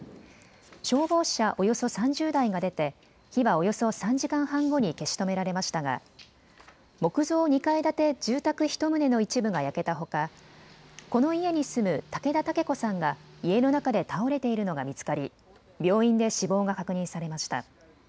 消防車およそ３０台が出て火はおよそ３時間半後に消し止められましたが木造２階建て住宅１棟の一部が焼けたほかこの家に住む竹田竹子さんが家の中で倒れているのが見つかり病院で死亡が確認されました。